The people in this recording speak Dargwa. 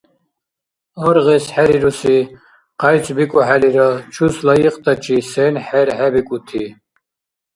Аргъес хӀерируси — къяйцӀбикӀухӀелира чус лайикьтачи сен хӀерхӀебикӀути?